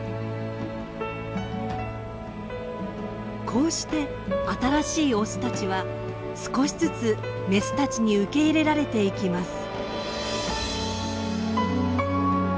こうして新しいオスたちは少しずつメスたちに受け入れられていきます。